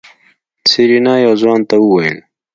سېرېنا يو ځوان ته وويل.